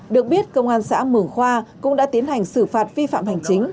được biết công an xã mường khoa cũng đã tiến hành xử phạt vi phạm hành chính